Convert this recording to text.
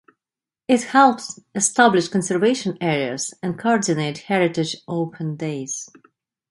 It helped establish conservation areas and coordinate Heritage Open Days.